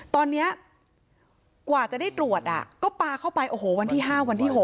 ตอนนี้กว่าจะได้ตรวจก็ปลาเข้าไปโอ้โหวันที่๕วันที่๖